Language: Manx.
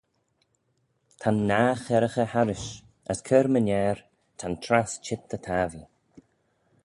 Ta'n nah cherraghey harrish, as cur-my-ner, ta'n trass cheet dy tappee.